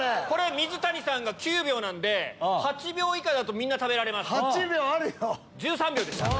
水谷さんが９秒なんで８秒以下だとみんな食べられます。